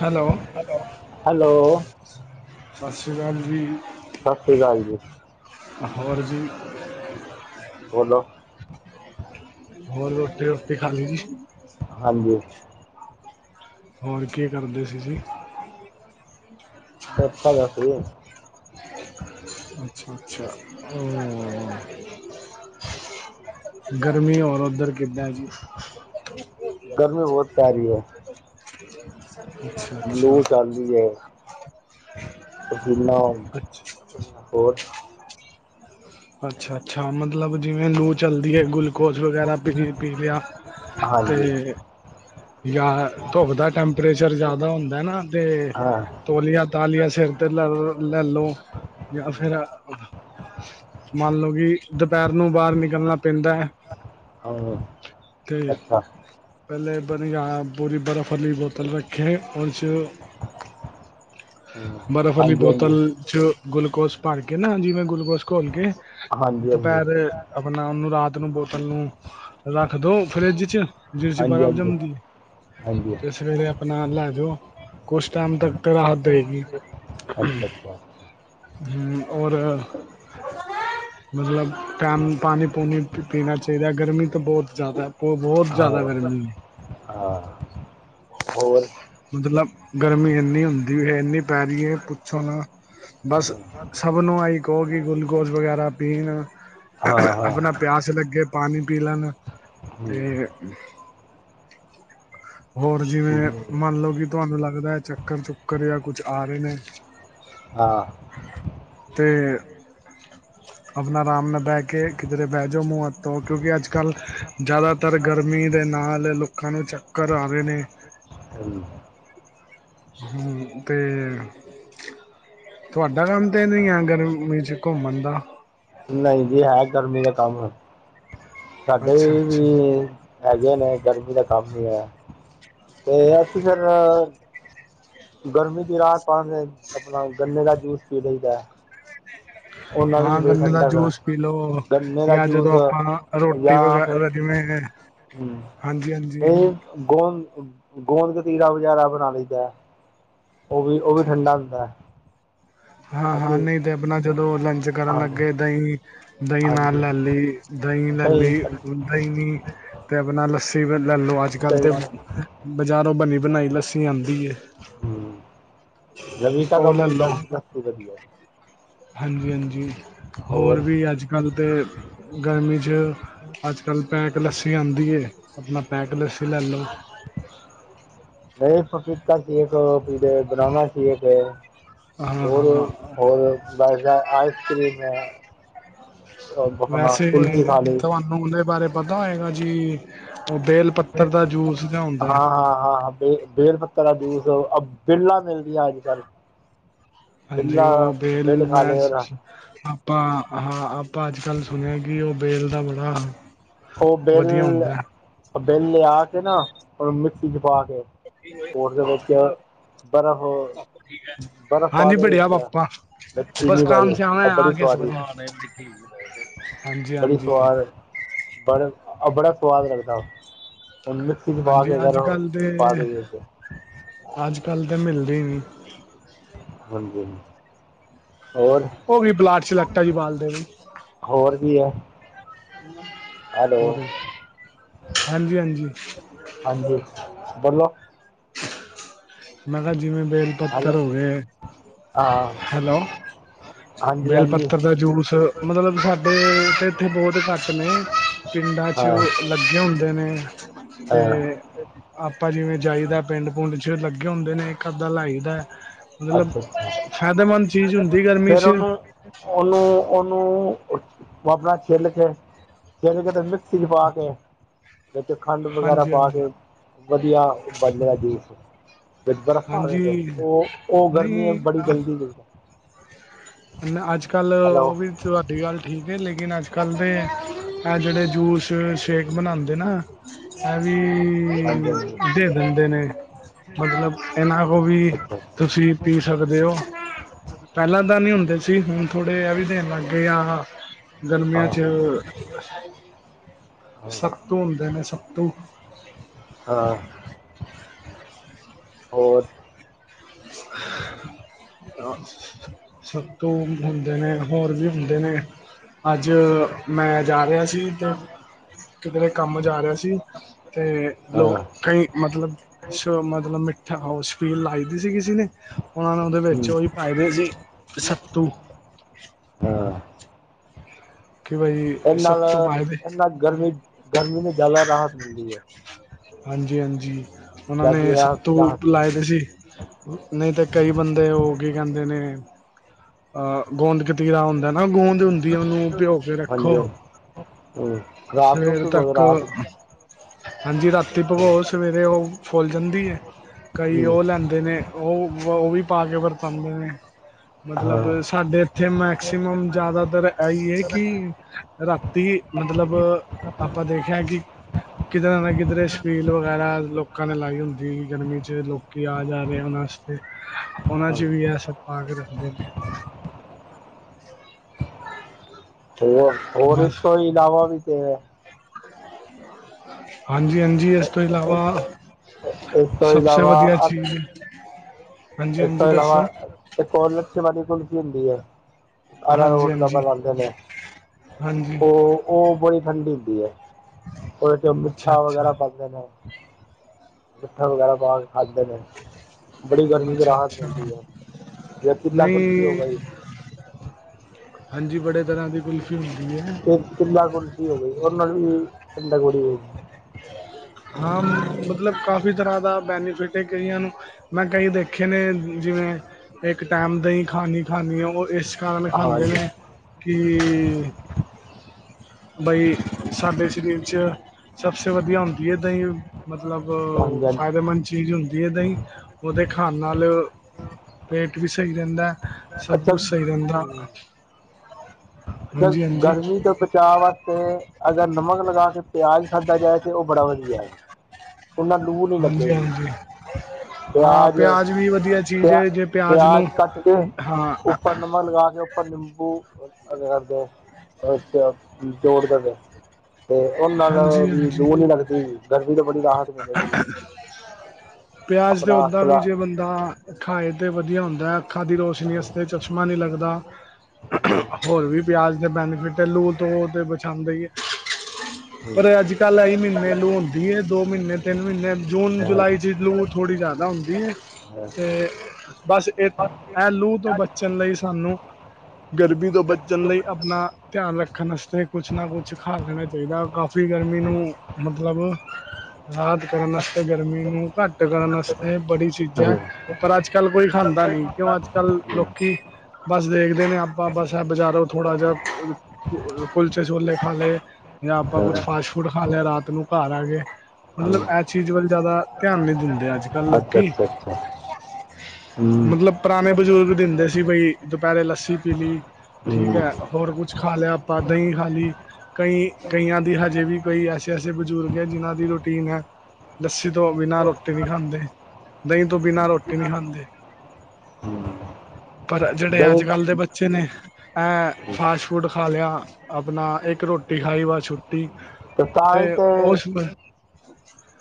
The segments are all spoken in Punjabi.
Hello [unintelligible] hello, hello. ਸਸਰੀ ਕਾਲ ਜੀ ਸਤਿ ਸ਼੍ਰੀ ਅਕਾਲ ਜੀ [unintelligible] ਹੋਰ ਜੀ। ਬੋਲੋ। ਹੋਰ ਰੋਟੀ-ਰੁਟੀ ਖਾ ਲਈ। ਹਾਂਜੀ। ਹੋਰ ਕੀ ਕਰਦੇ ਸੀ ਜੀ। ਬੈਠਾ ਜਾਂ ਤੇ। ਅੱਛਾ-ਅੱਛਾ [unintelligible] ਗਰਮੀ, ਔਰ ਓਧਰ ਕਿੱਦਾਂ ਐ ਜੀ? ਗਰਮੀ ਬੋਤ ਪੈ ਰੀ ਅੱਛਾ ਅੱਛਾ ਐ--ਲੂ ਚੱਲਦੀ ਐ। ਅੱਛਾ ਪਸੀਨਾ--ਹੋਰ ਅੱਛਾ-ਅੱਛਾ ਮਤਲਬ ਜਿਵੇਂ, ਲੂ ਚੱਲਦੀ ਐ, ਗੁਲ। ਕੋਸ ਵਗੈਰਾ ਪੀ-ਪੀ ਲਿਆ। ਹਾਂਜੀ ਤੇ ਜਾ, ਧੁੱਪ ਦਾ ਟੈਂਪਰੇਚਰ ਜਾਦਾ ਹੁੰਦਾ ਐ ਨਾ ਤੇ ਹਾਂ ਤੋਲੀਆ-ਤਾਲੀਆ ਸਿਰ ਤੇ ਲੈ--ਲੈਲੋ, ਜਾ ਫਿਰ ਮਲ ਲੋ ਕੀ। ਦਪੈਰ ਨੂੰ ਬਾਹਰ ਨਿਕਲਣਾ ਪੈਂਦਾ ਹਾਂ ਐ--ਤੇ ਅੱਛਾ ਪਹਿਲੇ ਬਨ ਗਿਆ, ਪੂਰੀ ਬਰਫ਼ ਵਾਲੀ ਬੋਤਲ ਰੱਖੇ, ਔ ਚ ਹਾਂ, ਬਰਫ਼ ਆਲੀ ਹਾਂਜੀ ਬੋਤਲ। ਹਾਂਜੀ ਚ, ਗੁਲੂਕੋਸ ਭਰ ਕੇ ਨਾ ਜਿਵੇਂ, ਗਲੂਕੋਸ ਘੋਲ ਹਾਂਜੀ ਹਾਂਜੀ ਕੇ--ਦਪੈਰ। ਆਪਣਾ ਉਹਨੂੰ ਰਾਤ ਨੂੰ ਬੋਤਲ ਨੂੰ ਰੱਖਦੋ, ਫਰਿੱਜ ਚ। ਹਾਂਜੀ ਹਾਂਜੀ ਹਾਂਜੀ [unintelligible] ਆਪਣਾ ਲੈ ਦਿਓ ਕੁੱਛ ਟਾਈਮ ਹਾਂ, ਤੱਕ ਤੇ ਰਾਹਤ ਦੇਏਗੀ। ਅੱਛਾ ਅੱਛਾ, ਅੱਛਾ। ਹੂੰ, ਔਰ ਮਤਲਬ ਟਾਈਮ ਪਾਣੀ ਪੂਣੀ ਪੀਣਾ ਚਾਹੀਦਾ ਗਰਮੀ ਤਾਂ ਬਹੁਤ ਜ਼ਿਆਦਾ ਬਹੁਤ ਜ਼ਿਆਦਾ ਹਾਂ ਗਰਮੀ ਐ। ਹਾਂ, ਹੋਰ ਮਤਲਬ ਗਰਮੀ ਇੰਨੀ ਹੁੰਦੀ ਹੈ ਇੰਨੀ ਪੈ ਰਹੀ ਐ ਪੁੱਛੋ ਨਾ। ਹਾਂ ਬਸ ਸਭ ਨੂੰ ਆਈ ਕਹੋ ਕਿ ਗਲੂਕੋਜ ਵਗੈਰਾ ਪੀਣ। ਹਾਂ ਹਾਂ ਆਪਣਾ ਹਮ, ਪਿਆਸ ਲੱਗੇ ਪਾਣੀ ਪੀ ਲੈਣ ਤੇ ਹਮ, ਹੋਰ ਜਿਵੇਂ ਮੰਨ ਲਓ ਕਿ ਤੁਹਾਨੂੰ ਲੱਗਦਾ ਹੈ ਚੱਕਰ ਚੁੱਕਰ ਜਾਂ ਕੁਛ ਆ ਰਹੇ ਨੇ ਹਾਂ ਤੇ, ਆਪਣਾ ਆਰਾਮ ਨਾਲ ਬਹਿ ਕੇ ਕਿਧਰੇ ਬਹਿ ਜਾਓ ਮੂੰਹ ਹੱਥ ਧੋ ਕਿਉਂਕਿ ਅੱਜ ਕੱਲ੍ਹ ਜ਼ਿਆਦਾ ਤਰ ਗਰਮੀ ਦੇ ਨਾਲ ਲੋਕਾਂ ਨੂੰ ਚੱਕਰ ਆ ਰਹੇ ਨੇ। ਹਮ, ਤੇ, ਤੁਹਾਡਾ ਕੰਮ ਤਾਂ ਨਹੀਂ ਆ ਗਰਮੀ 'ਚ ਘੁੰਮਣ ਦਾ। ਨਹੀਂ ਜੀ ਹੈ ਗਰਮੀ ਦਾ ਕੰਮ ਸਾਡੇ ਅੱਛਾ ਅੱਛਾ ਵੀ ਹੈਗੇ ਨੇ ਗਰਮੀ ਦਾ ਕੰਮ ਹੀ ਹੈ ਤੇ ਅਸੀਂ ਫਿਰ, ਗਰਮੀ ਦੀ ਰਾਹਤ ਪਾਣ ਦੇ ਲਈ ਆਪਣਾ ਗੰਨੇ ਦਾ ਜੂਸ ਪੀ ਲਈਦਾ। ਉਹ [unintelligible] ਨਾਲ ਵੀ ਹਾਂ ਬੜੀ ਗੰਨੇ ਦਾ ਠੰਡਕ ਜੂਸ ਪੀ ਲਓ ਗੰਨੇ ਦਾ ਜਾਂ ਜੂਸ ਜਦੋਂ ਆਪਾਂ ਰੋਟੀ ਜਾਂ ਫਿਰ ਵਗੈਰਾ ਜਿਵੇਂ ਹਾਂਜੀ ਹਾਂਜੀ, ਇਹ ਗੋਦ ਗੋਂਦ ਕਤੀਰਾ ਵਗੈਰਾ ਬਣਾ ਲਈ ਦਾ। ਉਹ ਵੀ ਉਹ ਵੀ ਠੰਡਾ ਹੁੰਦਾ। ਹਾਂ ਹਾਂ ਹਾਂਜੀ ਨਹੀਂ ਤੇ ਆਪਣਾ ਜਦੋਂ ਲੰਚ ਕਰਨ ਹਾਂਜੀ ਲੱਗੇ ਦਹੀਂ ਦਹੀਂ ਨਾਲ ਹਾਂਜੀ ਲੈ ਲਈ ਦਹੀਂ ਲੈ ਲਈ ਦਹੀਂ ਨਾਲ ਤੇ ਆਪਣਾ ਲੱਸੀ ਵੀ ਲੈ ਲਓ ਅੱਜ ਕੱਲ ਦਹੀਂ ਤੇ, ਹਮ ਬਜ਼ਾਰੋਂ ਬਣੀ ਬਣਾਈ ਲੱਸੀ ਆਂਦੀ ਐ। ਰਵੀਤਾ ਕੰਪਨੀ ਦਾ ਦੱਸ ਵਧੀਆ। ਹਾਂਜੀ ਹਾਂਜੀ ਹੋਰ ਵੀ ਅੱਜ ਕੱਲ੍ਹ ਤਾਂ ਗਰਮੀ ਚ, ਅੱਜ ਕੱਲ ਪੈਕ ਲੱਸੀ ਆਂਦੀ ਆਪਣਾ ਪੈਕ ਲੱਸੀ ਲੈ ਲਓ। ਨਹੀਂ ਪਪੀਤਾ ਸ਼ੇਖ ਬਨਾਨਾ ਸ਼ੇਖ਼, ਹਾਂ ਹੋਰ ਹਾਂ ਹੋਰ ਆਈਸ ਕਰ੍ਰੀਮ। ਆਪਣਾ ਵੈਸੇ ਕੁਲਫੀ ਖਾਲੀ। ਤੁਹਾਨੂੰ ਉਹਦੇ ਬਾਰੇ ਪਤਾ ਹੋਏਗਾ ਜੀ ਉਹ ਬੇਲ ਪੱਤਰ ਦਾ ਜੂਸ ਜਿਹਾ ਹਾਂ ਹੁੰਦਾ ਹੈ। ਹਾਂ ਹਾਂ, ਬੇਲ ਪੱਤਰ ਜੂਸ ਬੇਲਾਂ ਮਿਲਦੀਆਂ ਅੱਜ ਕੱਲ੍ਹ ਹਾਂਜੀ ਉਹ ਬਿੱਲਾਂ ਬੇਲ ਬਿੱਲ ਖਾ ਮੈਂ ਲੇ ਉਹਦਾ ਆਪਾਂ ਹਾਂ ਆਪਾਂ ਅੱਜ ਕੱਲ ਸੁਣਿਆ ਕਿ ਉਹ ਵੇਲ ਦਾ ਬੜਾ ਉਹ ਬਿੱਲ ਵਧੀਆ ਹੁੰਦਾ ਹੈ। ਬਿੱਲ ਲਿਆ ਕੇ ਨਾ ਉਹਨੂੰ ਮਿਕਸੀ ਚ ਪਾ ਕੇ। ਸਪੋਰਟਸ ਦੇ ਵਿੱਚ ਪਰ ਉਹ, ਹਾਂਜੀ ਬੜਿਆ ਪਾਪਾ। ਵਿੱਚ ਬਸ ਚੀਨੀ ਪਾ ਦੇ ਕਾਮ ਸੇ ਆਇਆ ਹਾਂ ਆ ਬੜੀ ਕੇ ਸੋ ਸਵਾਦੀ ਹਾਂਜੀ ਹਾਂਜੀ। ਬੜਾ ਬੜਾ ਸਵਾਦ ਲਗਦਾ ਮਿਕਸੀ ਪਾ ਹਾਂਜੀ ਕੇ ਅੱਜ ਅਗਰ ਕੱਲ ਤੇ ਪਾ ਦਈ ਏ ਤੇ। ਅੱਜ ਕੱਲ ਤਾਂ ਮਿਲਦੇ ਹੀ ਨਹੀਂ ਹਾਂਜੀ ਹੋਰ ਉਹ ਵੀ ਬਲਾਟ ਚ ਲੈਟਾ ਹੀ ਬਾਲ ਦੇ ਨੇ। ਹੋਰ ਵੀ ਹੈ। ਹੈਲੋ ਹੋ ਹਾਂਜੀ ਹਾਂਜੀ। ਹਾਂਜੀ ਬੋਲੋ, ਮੈਂ ਕਿਹਾ ਜਿਵੇਂ ਬੇਲ ਹੈਲੋ ਪੱਤਰ ਹੋ ਗਏ ਹਾਂ ਹੈਲੋ, ਹਾਂਜੀ ਬੇਲ ਹਾਂਜੀ ਪੱਤਰ ਦਾ ਜੂਸ ਮਤਲਬ ਸਾਡੇ ਤੇ ਇੱਥੇ ਬਹੁਤ ਘੱਟ ਨੇ ਪਿੰਡਾਂ ਚ ਹਾਂ ਲੱਗੇ ਹੁੰਦੇ ਨੇ ਤੇ ਹਾਂ ਆਪਾਂ ਜਿਵੇਂ ਜਾਈਦਾ ਪਿੰਡ ਪੁੰਡ ਚ ਲਗੇ ਅੱਗੇ ਹੁੰਦੇ ਨੇ ਇੱਕ ਅੱਧਾ ਲਾਈਦਾ ਮਤਲਬ ਅੱਛਾ ਅੱਛਾ ਫਾਇਦੇਮੰਦ ਚੀਜ਼ ਹੁੰਦੀ ਗਰਮੀ ਫਿਰ ਚ। ਉਹਨੂੰ ਉਹਨੂੰ ਉਹਨੂੰ ਆਪ ਆਪਣਾ ਛਿੱਲ ਕੇ ਜਦੇ ਕਿਤੇ ਮਿਕਸੀ ਚ ਪਾ ਕੇ ਵਿੱਚ ਖੰਡ ਵਗੈਰਾ ਹਾਂਜੀ ਪਾ ਹਾਂਜੀ ਕੇ ਵਧੀਆ ਬਣੇਗਾ ਜੂਸ। ਵਿੱਚ ਬਰਫ਼ ਆਵੇ ਹਾਂਜੀ ਤੇ ਉਹ ਉਹ ਗਰਮੀਆਂ ਬੜੀ ਜਲਦੀ ਸੀ। ਹੁਣ ਅੱਜ ਕੱਲ੍ਹ ਉਹ ਵੀ ਤੁਹਾਡੀ ਗੱਲ ਠੀਕ ਹੈ ਲੇਕਿਨ ਅੱਜ ਕੱਲ੍ਹ ਦੇ ਇਹ ਜਿਹੜੇ ਜੂਸ ਸ਼ੇਕ ਬਣਾਂਦੇ ਨਾ। ਐ ਵੀ ਹਾਂਜੀ ਹਾਂਜੀ ਦੇ ਦਿੰਦੇ ਨੇ। ਮਤਲਬ ਇਹਨਾਂ ਕੋ ਵੀ ਅੱਛਾ ਤੁਸੀਂ ਪੀ ਸਕਦੇ ਹੋ। ਪਹਿਲਾਂ ਤਾਂ ਨੀ ਹੁੰਦੇ ਸੀ ਹੁਣ ਥੋੜੇ ਇਹ ਵੀ ਦੇਣ ਲੱਗ ਗਏ ਆ ਗਰਮੀਆਂ ਹਾਂ ਚ। ਹਾਂ ਹਾਂ ਸਖਤੂ ਹੁੰਦੇ ਨੇ ਸਖਤੂ ਹਾਂ, ਹੋਰ, [unintelligible] ਸਖਤੂ ਹੁੰਦੇ ਨੇ ਹੋਰ ਵੀ ਹੁੰਦੇ ਨੇ। ਅੱਜ ਮੈਂ ਜਾ ਰਿਹਾ ਸੀ ਤੇ ਕਿਧਰੇ ਕੰਮ ਜਾ ਰਿਹਾ ਸੀ। ਤੇ ਲੋ ਹਾਂ ਕਈ ਮਤਲਬ ਮਤਲਬ ਮਿੱਠਾ ਲਾਓ ਲਾਈ ਦੀ ਸੀਗੀ। ਸੀ ਨੇ ਉਹਨਾਂ ਨੇ ਉਹਦੇ ਵਿੱਚ ਹੂੰ ਉਹੀ ਪਾਏ ਦੇ ਸੀ ਸੱਤੂ। ਹਾਂ ਕਿ ਬਾਈ ਇਹ ਨਾਲ ਇਹਨਾਂ ਗਰਮੀ ਗਰਮੀ ਨੂੰ ਜ਼ਿਆਦਾ ਰਾਹਤ ਮਿਲਦੀ। ਹੈ ਹਾਂਜੀ ਹਾਂਜੀ ਉਹਨਾਂ ਨੇ ਜ਼ਿਆਦਾ ਸਭ ਰਾਹਤ ਸੱਤੂ ਰਾਹਤ ਹੈ ਲਾਏ ਤੇ ਸੀ। ਨਹੀਂ ਤੇ ਕਈ ਬੰਦੇ ਉ ਕੀ ਕਹਿੰਦੇ ਨੇ। ਅਹ ਗੋਂਦ ਕਤੀਰਾ ਹੁੰਦਾ ਨਾ ਗੂੰਦ ਹੁੰਦੀ ਆ ਉਹਨੂੰ ਭਿਓ ਕੇ ਰੱਖੋ। ਹਾਂਜੀ ਹੂੰ ਰਾਤ ਨੂੰ ਸਵੇਰ ਭਿਗੋ ਦਿਓ, ਤੱਕ ਰਾਤ ਨੂੰ ਹਾਂਜੀ ਰਾਤੀ ਹਾਂ ਭਗੋ ਸਵੇਰੇ ਉਹ ਫੁੱਲ ਜਾਂਦੀ ਹੈ ਕਈ ਹੂੰ, ਉਹ ਲੈਂਦੇ ਦੇ ਨੇ ਉਹ ਉਹ ਵੀ ਪਾ ਕੇ ਵਰਤਾਂਦੇ ਨੇ। ਮਤਲਬ ਹਾਂ ਸਾਡੇ ਇੱਥੇ ਮੈਕਸੀਮਮ ਜਿਆਦਾਤਰ ਐਹੀ ਏ ਕਿ ਰਾਤੀ ਮਤਲਬ ਆਪਾਂ ਦੇਖਿਆ ਕਿ ਕਿਧਰੇ ਨਾ ਕਿਧਰੇ ਸਵੀਲ ਵਗੈਰਾ ਲੋਕਾਂ ਨੇ ਲਾਈ ਹੁੰਦੀ ਗਰਮੀ ਚ ਲੋਕ ਕੀ ਆ ਜਾ ਰਹੇ ਉਹਨਾਂ ਵਾਸਤੇ ਉਹਨਾਂ ਹਾਂ ਚ ਵੀ ਇਹ ਸਭ ਪਾ ਕੇ ਰੱਖਦੇ ਨੇ। [inaudible] ਹੋਰ ਹੋਰ ਇਸ ਬਸ ਤੋਂ ਇਲਾਵਾ ਵੀ ਤੇ ਹੈ। ਹਾਂਜੀ ਹਾਂਜੀ, ਇਸ ਤੋਂ ਇਲਾਵਾ ਇਸ ਤੋਂ ਸਬ ਸੇ ਇਲਾਵਾ ਵਧੀਆ ਅ- ਚੀਜ਼। ਹਾਂਜੀ ਇਸ ਹਾਂਜੀ ਤੋਂ ਇਲਾਵਾ ਦੱਸੋ? ਇੱਕ ਲੱਛੇ ਵਾਲੀ ਘੁੰਲਕ ਹੁੰਦੀ ਹੈ। ਆ ਹਾਂਜੀ ਰੋਡ ਦਾ ਹਾਂਜੀ ਹਾਂਜੀ [unintelligible] ਉਹ ਬੜੀ ਠੰਡੀ ਹੁੰਦੀ ਐ ਉਹਦੇ ਚ ਅੱਛਾ ਮਿੱਠਾ ਅੱਛਾ ਵਗੈਰਾ ਪਾਂਦੇ ਨੇ। ਮਿੱਠਾ ਵਗੈਰਾ ਪਾ ਕੇ ਖਾਦੇ ਨੇ ਬੜੀ ਗਰਮੀ ਅੱਛਾ ਰਾਹਤ ਮਿਲਦੀ ਅੱਛਾ ਐ ਜਿਵੇਂ ਤਿਲਾ ਕੁੁਲਫੀ ਹੋ ਨਹੀਂ ਗਈ। ਹਾਂਜੀ ਬੜੇ ਤਰ੍ਹਾਂ ਦੀ ਕੁਲਫੀ ਹੁੰਦੀ ਹੈ। ਤਿੱਲਾ ਕੁਲਫੀ [unintelligible] ਹਾਂ ਮਤਲਬ ਕਾਫੀ ਤਰ੍ਹਾਂ ਦਾ ਬੈਨੀਫਿਟ ਹੈ ਕਈਆਂ ਨੂੰ ਮੈਂ ਕਈ ਦੇਖੇ ਨੇ ਜਿਵੇਂ ਇੱਕ ਟਾਈਮ ਦਹੀ ਖਾਣੀ ਖਾਣੀ ਹੀ ਖਾਣੀ ਉਹ ਇਸ ਕਰਨ ਖਾਂਦੇ ਹਾਂਜੀ ਨੇ। ਕਿ ਬਈ ਸਾਡੇ ਸਰੀਰ ਚ ਸਭਸੇ ਵਧੀਆ ਹੁੰਦੀ ਦਹੀ ਮਤਲਬ ਹਾਂਜੀ ਹਾਂਜੀ। ਫਾਇਦੇਮੰਦ ਚੀਜ਼ ਹੁੰਦੀ ਐ ਦਹੀਂ ਉਹਦੇ ਖਾਣ ਨਾਲ ਪੇਟ ਵੀ ਸਹੀ ਰਹਿੰਦਾ ਸਭ ਅੱਛਾ ਕੁਛ ਸਹੀ ਰਹਿੰਦਾ। ਹਮ, ਹਾਂਜੀ ਹਾਂਜੀ ਗਰਮੀ ਤੋਂ ਬਚਾਅ ਵਾਸਤੇ ਅਗਰ ਨਮਕ ਲਗਾ ਕੇ ਪਿਆਜ਼ ਖਾਧਾ ਜਾਏ ਤੇ ਉਹ ਬੜਾ ਵਧੀਆ ਓਹਦੇ ਨਾਲ ਲੂ ਨੀ ਹਾਂਜੀ ਲੱਗੇਗੀ। ਹਾਂਜੀ ਹਾਂ ਪਿਆਜ ਪਿਆਜ਼ ਵੀ ਵਧੀਆ ਚੀਜ਼ ਪਿਆ ਹੈ ਜੇ ਪਿਆਜ਼ ਨੂੰ ਪਿਆਜ ਕੱਟ ਕੇ ਹਾਂ ਉੱਪਰ ਨਮਕ ਲਗਾ ਕੇ ਉੱਪਰ ਨਿੰਬੂ ਅੱਗੇ ਕਰਦੇ ਉਹ ਜੋੜ ਦੇਵੇ ਤੇ ਉਹਦੇ ਨਾਲ ਹਾਂਜੀ ਵੀ ਹਾਂਜੀ ਲੂਹ ਨੀ ਲੱਗਦੀ ਗਰਮੀ ਤੋਂ ਬੜੀ ਰਾਹਤ, ਮਿਲੇਗੀ ਪਿਆਜ ਤੇ ਆਪਣਾ ਓਦਾਂ ਵੀ ਅਸਲਾ ਜੇ ਬੰਦਾ ਖਾਏ ਤੇ ਵਧੀਆ ਹੁੰਦਾ ਹੈ ਅੱਖਾਂ ਦੀ ਰੋਸ਼ਨੀ ਹਮ, ਵਸਤੇ ਚਸ਼ਮਾ ਨੀ ਲੱਗਦਾ। ਹਮ, ਹੋਰ ਵੀ ਪਿਆਜ਼ ਦੇ ਬੈਨੀਫਿਟ ਹੈ ਲੂ ਤੋਂ ਤੇ ਬਚਾਂਦਾ ਹੀ ਹੈ। ਪਰ ਹਮ, ਏ ਅੱਜ ਕੱਲ੍ਹ ਏਹੀ ਮਹੀਨੇ ਲੂ ਹੁੰਦੀ ਐ ਦੋ ਮਹੀਨੇ ਤਿੰਨ ਮਹੀਨੇ ਜੂਨ ਹਾਂ, ਜੁਲਾਈ ਹਾਂ, ਲੂ ਥੋੜ੍ਹੀ ਜਿਆਦਾ ਹੁੰਦੀ ਐ। ਤੇ ਬਸ ਇਹ ਐ ਲੂ ਤੋਂ ਬਚਣ ਲਈ ਸਾਨੂੰ ਗਰਮੀ ਤੋਂ ਬਚਣ ਲਈ ਆਪਣਾ ਧਿਆਨ ਰੱਖਣ ਵਸਤੇ ਕੁਛ ਨਾ ਕੁਛ ਖਾ ਲੈਣਾ। ਚਾਹੀਦਾ ਕਾਫ਼ੀ ਗਰਮੀ ਨੂੰ ਮਤਲਬ ਰਾਹਤ ਕਰਨ ਵਸਤੇ ਗਰਮੀ ਨੂੰ ਘੱਟ ਕਰਨ ਵਸਤੇ ਬੜੀ ਚੀਜ਼ਾਂ ਹਮ, ਪਰ ਅੱਜ ਕੱਲ ਕੋਈ ਖਾਂਦਾ ਨਹੀਂ ਕਿਉਂ ਅੱਜ ਕੱਲ ਹਮ, ਲੋਕੀ। ਬਸ ਦੇਖਦੇ ਨੇ ਆਪਾਂ ਬਸ ਏ ਬਜ਼ਾਰੋਂ ਥੋੜਾ ਜਿਹਾ ਕੁਲਚੇ ਛੋਲੇ ਖਾਲੇ ਜਾਂ ਆਪਾਂ ਕੁਛ ਹਾਂ, ਫਾਸਟ ਫੂਡ ਖਾ ਲਿਆ ਰਾਤ ਨੂੰ ਘਰ ਆਗੇ ਮਤਲਬ ਹਮ, ਇਹ ਚੀਜ਼ ਵੱਲ ਜ਼ਿਆਦਾ ਧਿਆਨ ਨੀ ਦਿੰਦੇ ਅੱਜ ਕੱਲ ਅੱਛਾ ਲੋਕੀ ਅੱਛਾ ਅੱਛਾ ਹਮ, ਮਤਲਬ ਪੁਰਾਣੇ ਬਜ਼ੁਰਗ ਦਿੰਦੇ ਸੀ ਬਈ ਦੁਪਿਹਰੇ ਲੱਸੀ ਪੀ ਲੀ। ਹੂੰ, ਹੋਰ ਕੁਛ ਖਾ ਲਿਆ ਆਪਾਂ ਦਹੀਂ ਖਾ ਲਈ। ਕਈ ਕਈਆਂ ਦੀ ਹਜੇ ਵੀ ਕਈ ਐਸੇ ਐਸੇ ਬਜ਼ੁਰਗ ਹੈ ਜਿਹਨਾਂ ਦੀ ਰੋਟੀ ਨੇ ਲੱਸੀ ਤੋਂ ਬਿਨਾਂ ਰੋਟੀ ਨੀ ਖਾਂਦੇ। ਦਹੀਂ ਤੋਂ ਬਿਨਾਂ ਰੋਟੀ ਨੀ ਖਾਂਦੇ ਹਮ। ਪਰ ਜਿਹੜੇ ਦਹੀਂ ਅੱਜ ਕੱਲ੍ਹ ਦੇ ਬੱਚੇ ਨੇ ਹਮ। ਐਂ ਫਾਸਟ ਫੂਡ ਖਾ ਲਿਆ ਆਪਣਾ ਇੱਕ ਰੋਟੀ ਖਾਈ ਬਸ ਛੁ ਠੀਕ ਤੇ ਉਸ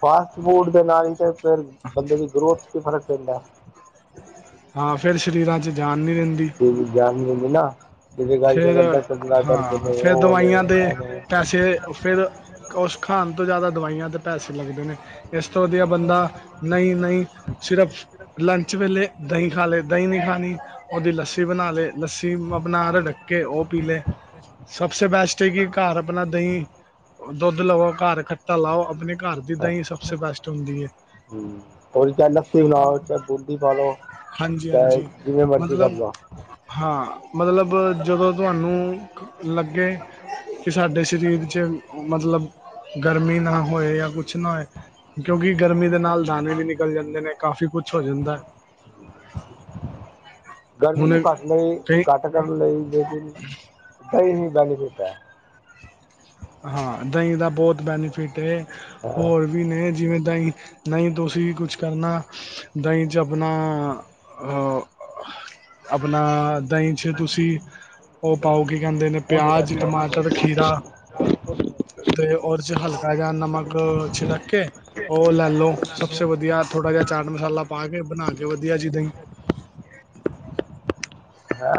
ਫਾਸਟ ਫੂਡ ਦੇ ਨਾਲ ਤੇ ਫੇਰ ਬੰਦੇ ਦੀ ਗਰੋਥ ਚ ਫ਼ਰਕ ਪੈਂਦਾ। ਹਾਂ ਫੇਰ ਸ਼ਰੀਰਾਂ ਚ ਜਾਨ ਨੀ ਰਹਿੰਦੀ। ਸਰੀਰ ਚ ਜਾਨ ਨੀ ਰਹਿੰਦੀ ਨਾ। ਜਿਹਦੇ ਕਰਕੇ ਫੇਰ ਕਰਦਾ ਟੰਗਾ ਦਰਦ ਹਾਂ ਨੇ ਫੇਰ ਉਹ ਨੇ ਦਵਾਈਆਂ ਦੇ ਇਹ ਨੇ ਪੈਸੇ ਫੇਰ ਉਸ ਖਾਣ ਤੋਂ ਜ਼ਿਆਦਾ ਦਵਾਈਆਂ ਤੇ ਪੈਸੇ ਲੱਗਦੇ ਨੇ ਇਸ ਤੋਂ ਵਧੀਆ ਬੰਦਾ ਨਹੀਂ ਨਹੀਂ ਸਿਰਫ ਲੰਚ ਵੇਲੇ ਦਹੀਂ ਖਾ ਲਏ ਦਹੀਂ ਨੀ ਖਾਣੀ ਉਹਦੀ ਲੱਸੀ ਬਣਾ ਲਏ ਲੱਸੀ ਬਣਾ ਰਿੜਕ ਕੇ ਉਹ ਪੀ ਲਏ। ਸਭਸੇ ਬੈਸਟ ਹੈ ਕਿ ਘਰ ਆਪਣਾ ਦਹੀਂ। ਦੁੱਧ ਲਵੋ ਘਰ ਖੱਟਾ ਲਾਓ ਆਪਣੇ ਘਰ ਦੀ ਦਹੀਂ ਸਬਸੇ ਬੈਸਟ ਹੁੰਦੀ ਹੈ। ਹੂੰ, ਓਹੀ ਚਾਹੇ ਲੱਸੀ ਬਣਾਓ ਚਾਹੇ ਬੂੰਦੀ ਪਾ ਲੋ ਹਾਂਜੀ ਚਾਹੇ ਹਾਂਜੀ ਜਿਵੇਂ ਮਰਜ਼ੀ ਕਰ ਮਤਲਬ ਲਓ। ਹਾਂ ਮਤਲਬ ਜਦੋਂ ਤੁਹਾਨੂੰ ਲੱਗੇ ਕਿ ਸਾਡੇ ਸਰੀਰ 'ਚ ਮਤਲਬ ਗਰਮੀ ਨਾ ਹੋਏ ਜਾਂ ਕੁਛ ਨਾ ਹੋਏ। ਕਿਉਂਕਿ ਗਰਮੀ ਦੇ ਨਾਲ ਦਾਣੇ ਵੀ ਨਿਕਲ ਜਾਂਦੇ ਨੇ ਕਾਫ਼ੀ ਕੁਛ ਹੋ ਜਾਂਦਾ। ਗਰਮੀ ਨੂੰ ਹੁਣ ਘੱਟ ਲਈ ਕਈ ਘੱਟ ਕਰਨ ਲਈ ਲੇਕਿਨ ਦਹੀ ਹੀ ਬੈਨੀਫਿਟ ਹੈ। ਹਾਂ, ਦਹੀਂ ਦਾ ਬਹੁਤ ਬੈਨੀਫਿਟ ਹਾਂ ਹੋਰ ਵੀ ਨੇ ਜਿਵੇਂ ਦਹੀਂ। ਨਹੀਂ ਤੁਸੀਂ ਵੀ ਕੁਛ ਕਰਨਾ ਦਹੀਂ 'ਚ ਆਪਣਾ। ਆਪਣਾ ਦਹੀਂ ਪਿੱਛੇ ਤੁਸੀਂ ਉਹ ਪਾਓ ਕੀ ਕਹਿੰਦੇ ਨੇ 'ਪਿਆਜ, ਟਮਾਟਰ, ਖੀਰਾ। ਤੇ ਔਰ ਉਸ ਚ ਹਲਕਾ ਜਾਂ ਨਮਕ ਛਿੜਕ ਕੇ ਉਹ ਲੈ ਲੋ ਸਭਸੇ ਵਧੀਆ ਥੋੜ੍ਹਾ ਜਿਹਾ ਚਾਟ ਮਸਾਲਾ ਪਾ ਕੇ ਬਣਾ ਕੇ ਵਧੀਆ ਜੀ ਦਹੀਂ। ਹੈ,